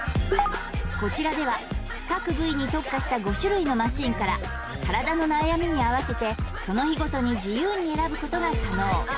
こちらでは各部位に特化した５種類のマシンから体の悩みに合わせてその日ごとに自由に選ぶことが可能